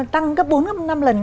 tăng gấp bốn gấp năm lần